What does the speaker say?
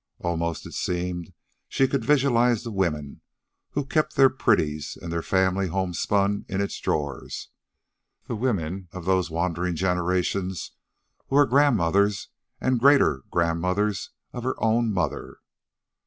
Almost, it seemed, she could visualize the women who had kept their pretties and their family homespun in its drawers the women of those wandering generations who were grandmothers and greater great grandmothers of her own mother.